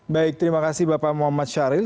baik terima kasih bapak muhammad syahril